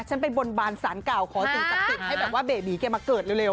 ฉันไปบนบานสารกล่าวขอติดสับสิทธิ์ให้แบบว่าเบบีเกม่าเกิดเร็ว